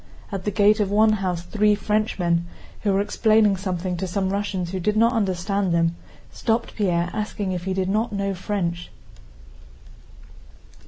At the gate of one house three Frenchmen, who were explaining something to some Russians who did not understand them, stopped Pierre asking if he did not know French.